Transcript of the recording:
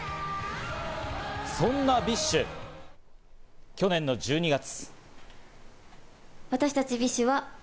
そんなＢｉＳＨ、去年の１２月。